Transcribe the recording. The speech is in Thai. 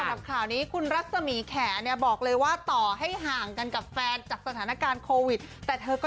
กับข่าวนี้คุณรัศมีแขเนี่ยบอกเลยว่าต่อให้ห่างกันกับแฟนจากสถานการณ์โควิดแต่เธอก็